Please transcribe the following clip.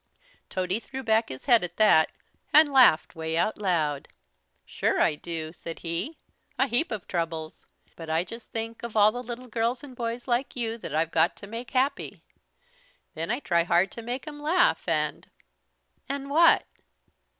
Tody threw back his head at that and laughed way out loud. "Sure I do," said he. "A heap of troubles, but I just think of all the little girls and boys like you that I've got to make happy. Then I try hard to make 'em laugh and " "An' what?"